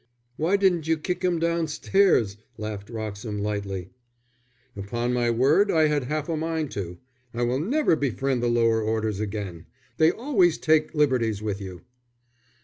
"Why didn't you kick him down stairs?" laughed Wroxham, lightly. "Upon my word, I had half a mind to. I will never befriend the lower orders again; they always take liberties with you."